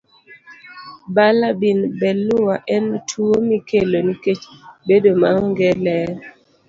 Balaa bin beleua en tuwo mikelo nikech bedo maonge ler.